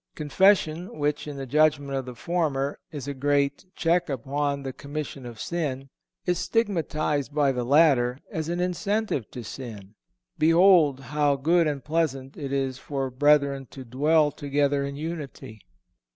Confession, which, in the judgment of the former, is a great "check upon the commission of sin," is stigmatized by the latter as an incentive to sin. "Behold how good and pleasant it is for brethren to dwell together in unity."